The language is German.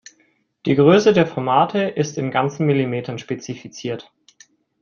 Die Größe der Formate ist in ganzen Millimetern spezifiziert.